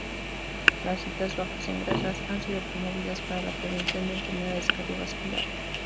Las dietas bajas en grasas han sido promovidas para la prevención de enfermedades cardiovasculares.